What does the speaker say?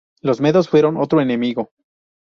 Los medos fueron otro enemigo.